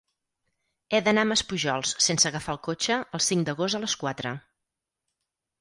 He d'anar a Maspujols sense agafar el cotxe el cinc d'agost a les quatre.